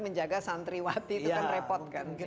menjaga santriwati itu kan repot kan